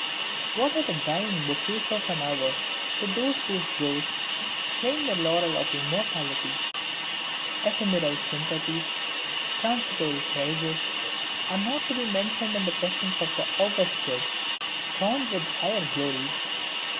What are the dying bouquets of an hour to those whose brows claim the laurel of immortality? Ephemeral sympathies, transitory praises, are not to be mentioned in the presence of the august Dead, crowned with higher glories.